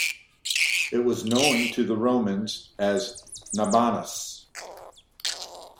It was known to the Romans as "Nabanus".